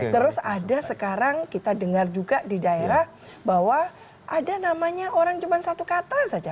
terus ada sekarang kita dengar juga di daerah bahwa ada namanya orang cuma satu kata saja